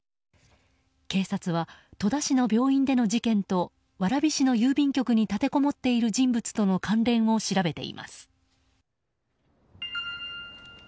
警察は、戸田市の病院での事件と蕨市の郵便局に立てこもっている人物との関連を調べています。